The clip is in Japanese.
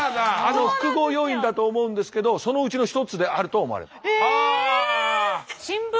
複合要因だと思うんですけどそのうちの一つであると思われます。